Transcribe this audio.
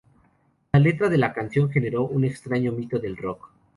La letra de la canción generó un extraño mito del rock.